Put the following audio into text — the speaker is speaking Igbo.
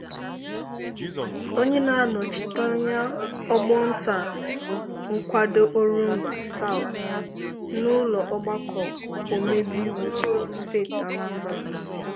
onye na-anọchite anya ọgbọ nta nkwado Orumba South n'ụlọ ọgbakọ omebe iwu steeti Anambra